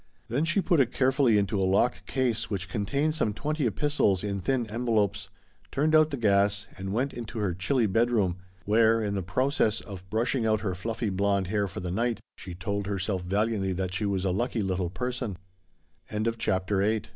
Then she put it care fully into a locked case which contained some twenty epistles in thin envelopes, turned out the gas, and went into her chilly bedroom, where, in the process of brushing out her fluffly blond hair for the night, she told herself valiantly tha